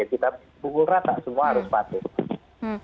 kita pukul rata semua harus patuh